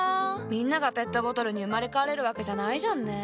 みんながペットボトルに生まれ変われるわけじゃないじゃんね。